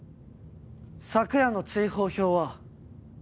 昨夜の追放票は？